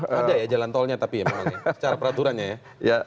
ada ya jalan tolnya tapi memang secara peraturannya ya